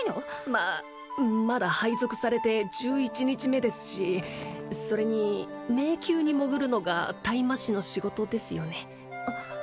ままだ配属されて１１日目ですしそれに迷宮に潜るのが退魔士の仕事ですよね？